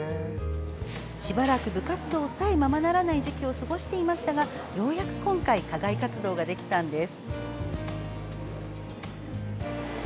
しばらく部活動さえままならない時期を過ごしていましたがようやく今回課外活動ができたんです。